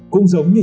cũng giống như vậy